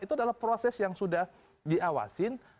itu adalah proses yang sudah diawasin